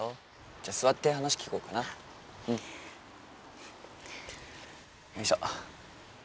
じゃ座って話聞こうかなうん。よいしょ。